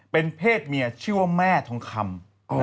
เป็นเพศเมียชื่อว่าแม่ทองคำ